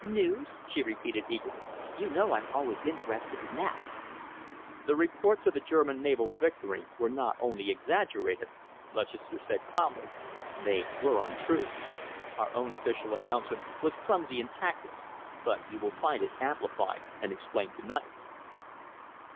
"News?" she repeated eagerly. "You know I am always interested in that." "The reports of a German naval victory were not only exaggerated," Lutchester said calmly; "they were untrue. Our own official announcement was clumsy and tactless, but you will find it amplified and explained to night."